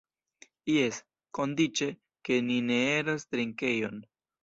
Jes, kondiĉe, ke ni ne eniros trinkejon.